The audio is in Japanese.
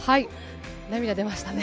涙出ましたね。